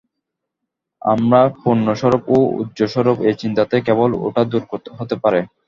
আমরা পূর্ণস্বরূপ ও ওজঃস্বরূপ, এই চিন্তাতেই কেবল ওটা দূর হতে পারে।